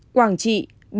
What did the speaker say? quảng trị bảy